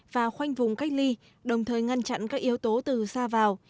và khoanh vùng cách ly đồng thời ngăn chặn các yếu tố từ xa vào